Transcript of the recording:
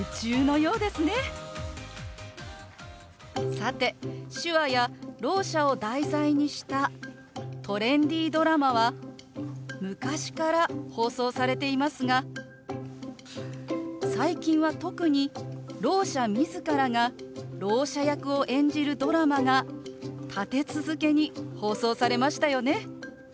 さて手話やろう者を題材にしたトレンディードラマは昔から放送されていますが最近は特にろう者自らがろう者役を演じるドラマが立て続けに放送されましたよね。